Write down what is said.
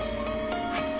はい。